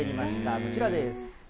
こちらです。